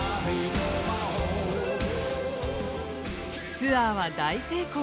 ツアーは大成功。